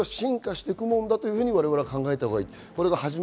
進化していくものだと我々は考えたほうがいい。